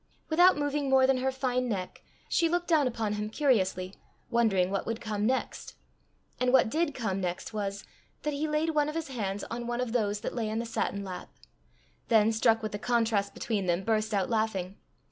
Without moving more than her fine neck, she looked down on him curiously, wondering what would come next; and what did come next was, that he laid one of his hands on one of those that lay in the satin lap; then, struck with the contrast between them, burst out laughing.